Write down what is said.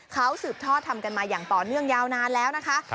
เขาสืบทอดทำกันมาอย่างต่อเนื่องยาวนานแล้วนะคะ